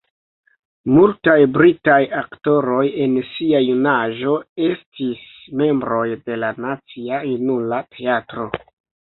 Multaj britaj aktoroj en sia junaĝo estis membroj de la Nacia Junula Teatro.